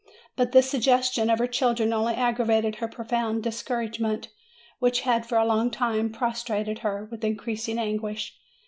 But this suggestion of her children only aggravated her profound discouragement, which had for a long time prostrated her, with increasing anguish.